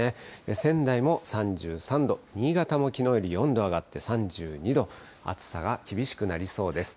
仙台も３３度、新潟もきのうより４度上がって３２度、暑さが厳しくなりそうです。